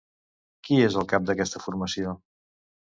Qui és el cap d'aquesta formació?